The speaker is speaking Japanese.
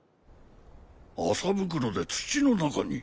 麻袋で土の中に？